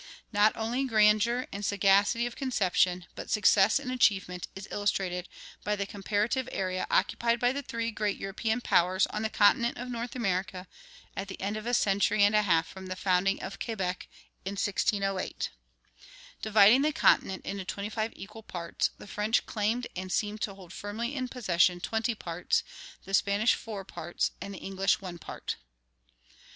Not only grandeur and sagacity of conception, but success in achievement, is illustrated by the comparative area occupied by the three great European powers on the continent of North America at the end of a century and a half from the founding of Quebec in 1608. Dividing the continent into twenty five equal parts, the French claimed and seemed to hold firmly in possession twenty parts, the Spanish four parts, and the English one part.